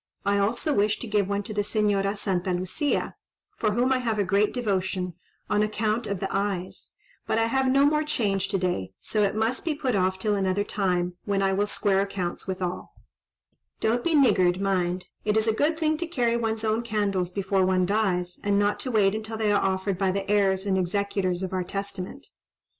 I also wish to give one to the Señora Santa Lucia, for whom I have a great devotion, on account of the eyes; but I have no more change to day, so it must be put off till another time, when I will square accounts with all." "And you will do well, daughter," replied the old woman. "Don't be niggard, mind. It is a good thing to carry one's own candles before one dies, and not to wait until they are offered by the heirs and executors of our testament."